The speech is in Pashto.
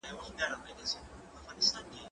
زه به شګه پاکه کړې وي؟